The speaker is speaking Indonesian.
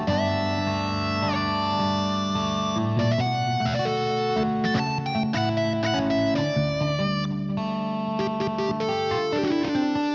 ini susunya diminum dulu